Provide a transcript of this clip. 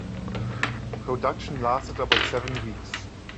Production lasted about seven weeks.